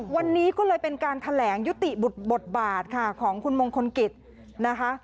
วันนี้ก็เลยเป็นการแถลงยุติบทบาทค่ะของคุณมงคลกิจนะคะ